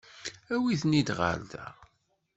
Awi-ten-id ɣer da.